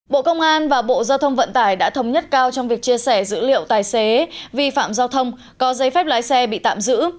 bộ công an và bộ giao thông vận tải đã thống nhất cao trong việc chia sẻ dữ liệu tài xế vi phạm giao thông có giấy phép lái xe bị tạm giữ